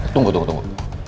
tunggu tunggu tunggu